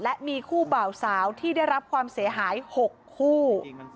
และมีคู่บ่าวสาวที่ได้รับความเสียหาย๖คู่